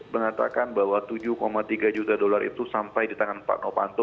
mengatakan bahwa tujuh tiga juta dolar itu sampai di tangan pak novanto